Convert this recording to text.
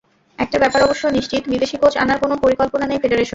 একটা ব্যাপার অবশ্য নিশ্চিত, বিদেশি কোচ আনার কোনো পরিকল্পনা নেই ফেডারেশনের।